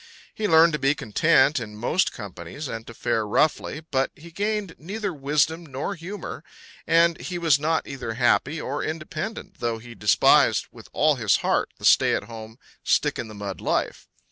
He learned to be content in most companies and to fare roughly; but he gained neither wisdom nor humour, and he was not either happy or independent, though he despised with all his heart the stay at home, stick in the mud life.